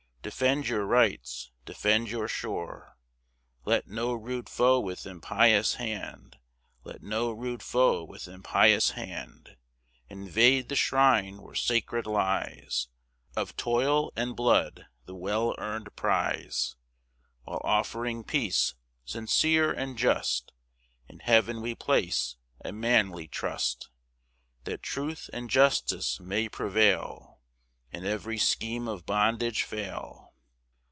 Defend your rights, defend your shore; Let no rude foe with impious hand, Let no rude foe with impious hand Invade the shrine where sacred lies Of toil and blood the well earned prize; While offering peace, sincere and just, In heav'n we place a manly trust, That truth and justice may prevail, And ev'ry scheme of bondage fail.